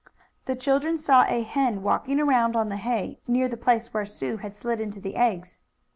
The children saw a hen walking around on the hay, near the place where Sue had slid into the eggs.